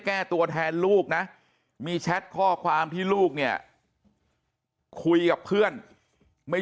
แก้ตัวแทนลูกนะมีแชทข้อความที่ลูกเนี่ยคุยกับเพื่อนไม่